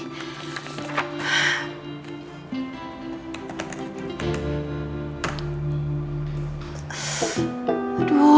aku mau pergi ke rumah